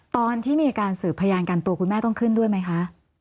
ตอนที่มีการสืบพยานกันตัวคุณแม่ต้องขึ้นด้วยไหมคะ